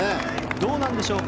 どうなんでしょう。